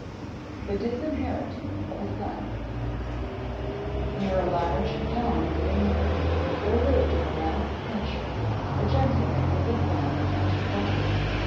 ] THE DISINHERITING OF A SON Near a large town in England there lived in the last century a gentleman with his son and daughter.